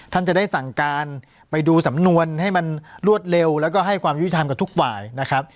ท่านจะได้สั่งการไปดูสำนวนให้มันรวดเร็วแล้วก็ให้ความยุติธรรมกับทุกฝ่ายนะครับ